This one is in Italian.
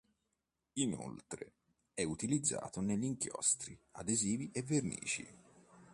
Inoltre è utilizzato negli inchiostri, adesivi e vernici.